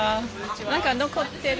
何か残ってる？